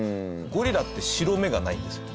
ゴリラって白目がないんですよ。